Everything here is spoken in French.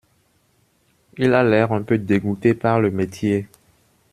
Il a l’air un peu dégoûté par le métier.